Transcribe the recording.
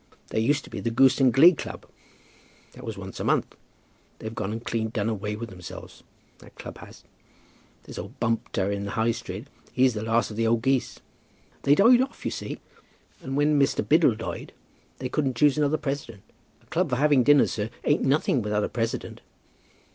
There used to be the Goose and Glee club; that was once a month. They've gone and clean done away with themselves, that club has. There's old Bumpter in the High Street, he's the last of the old Geese. They died off, you see, and when Mr. Biddle died they wouldn't choose another president. A club for having dinner, sir, ain't nothing without a president."